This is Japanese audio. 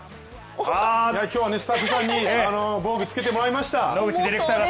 今日はね、スタッフさんに防備つけてもらいました。